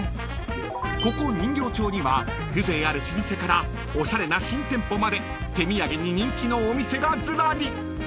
［ここ人形町には風情ある老舗からおしゃれな新店舗まで手土産に人気のお店がずらり］